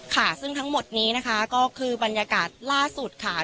ค่ะซึ่งทั้งหมดนี้นะคะก็คือบรรยากาศล่าสุดค่ะ